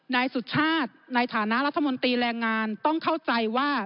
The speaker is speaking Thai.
นายสุชาติในฐานะรัฐมนตรีแรงงานต้องเข้าใจว่า